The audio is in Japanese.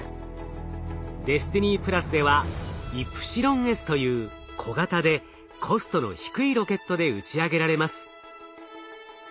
ＤＥＳＴＩＮＹではイプシロンＳという小型でコストの低いロケットで打ち上げられます。